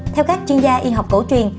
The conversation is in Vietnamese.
theo các chuyên gia y học cổ truyền